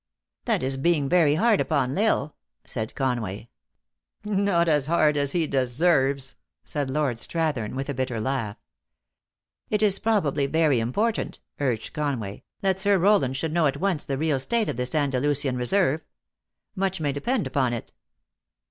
"That is being very hard upon L Isle," said Con way. " Not as hard as he deserves," said Lord Strath ern with a bitter laugh. " It is probably very important," urged Conway, " that Sir Rowland should know at once the real state of this Andalusian reserve. Much may depend upon it."